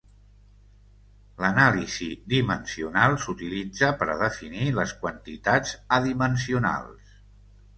L'anàlisi dimensional s'utilitza per a definir les quantitats adimensionals.